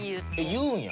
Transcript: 言うんや。